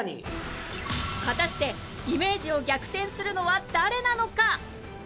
果たしてイメージを逆転するのは誰なのか！？